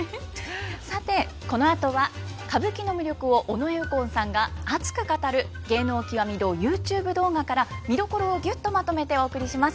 さてこのあとは歌舞伎の魅力を尾上右近さんが熱く語る「芸能きわみ堂」ＹｏｕＴｕｂｅ動画から見どころをギュッとまとめてお送りします。